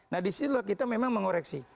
nah disitulah kita memang mengoreksi